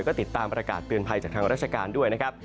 ก็ติดตามประกาศเตือนภัยจากทางราชการด้วยนะครับ